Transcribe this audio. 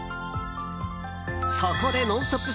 そこでＮＯＮＳＴＯＰ！